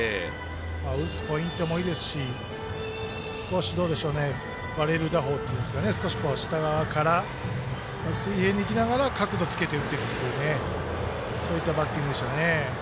打つポイントもいいですし少し下側から水平にいきながら角度をつけて打っていくというそういったバッティングでしたね。